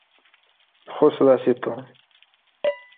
Txuṣṣeḍ-as i Tom.